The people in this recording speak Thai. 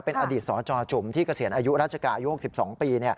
เป็นอดีตสจจุ๋มที่เกษียณอายุราชการอายุ๖๒ปี